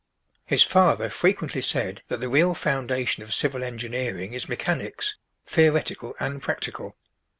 His father frequently said that the real foundation of civil engineering is mechanics, theoretical and practical.